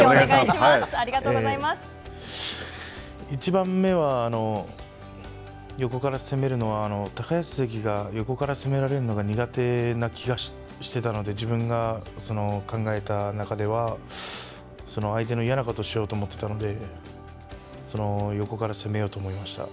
１番目は、横から攻めるのは、高安関が横から攻められるのが苦手な気がしていたので、自分が考えた中では、相手の嫌なことをしようと思っていたので、横から攻めようと思いました。